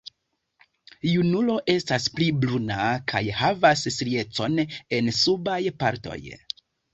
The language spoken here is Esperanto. Junulo estas pli bruna kaj havas striecon en subaj partoj.